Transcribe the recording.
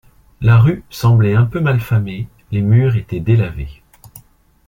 La rue semblait un peu mal famée, les murs étaient délavés.